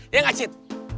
ya gak cid